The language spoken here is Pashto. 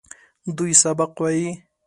دوی سبق وايي.